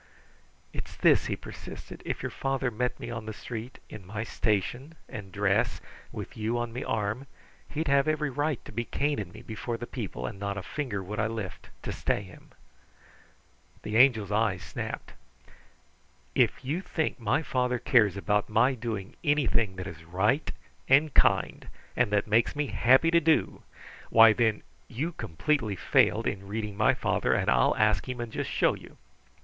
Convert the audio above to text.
"It's this," he persisted. "If your father met me on the street, in my station and dress, with you on me arm, he'd have every right to be caning me before the people, and not a finger would I lift to stay him." The Angel's eyes snapped. "If you think my father cares about my doing anything that is right and kind, and that makes me happy to do why, then you completely failed in reading my father, and I'll ask him and just show you."